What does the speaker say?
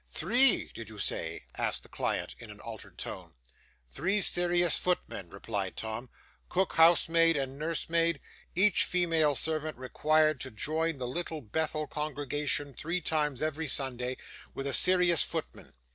'Three? did you say?' asked the client in an altered tone. 'Three serious footmen,' replied Tom. '"Cook, housemaid, and nursemaid; each female servant required to join the Little Bethel Congregation three times every Sunday with a serious footman.